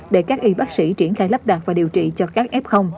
để các y bác sĩ triển khai lắp đặt và điều trị cho các f